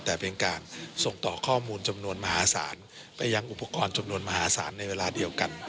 แต่เป็นการส่งต่อข้อมูลจำนวนมหาศาลไปยังอุปกรณ์จำนวนมหาศาลในเวลาเดียวกัน